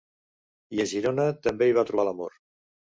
I a Girona també hi va trobar l'amor.